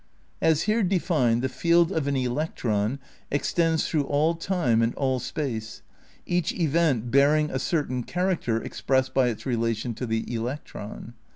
As here defined the field of an electron extends through all time and all space, each event bearing a certain character expressed by its relation to the electron.